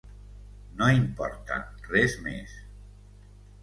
No importa, res més.